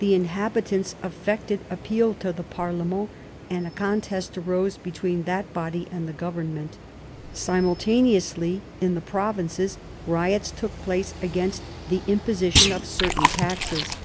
The inhabitants afiected appealed to the parlement, and a contest arose between that body and the government. Simultaneously in the provinces riots took place against the imposition of certain taxes.